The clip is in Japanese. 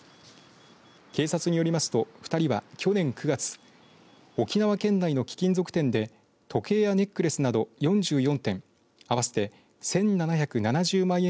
警察によりますと２人は去年９月沖縄県内の貴金属店で時計やネックレスなど４４点合わせて１７７０万円